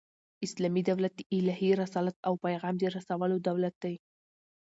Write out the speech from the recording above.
اسلامي دولت د الهي رسالت او پیغام د رسولو دولت دئ.